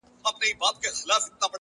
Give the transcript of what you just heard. لوړ فکر د امکاناتو پولې پراخوي.!